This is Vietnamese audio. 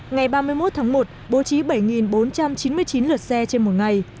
ngày ba mươi một tháng một bố trí bảy bốn trăm chín mươi chín lượt xe trên một ngày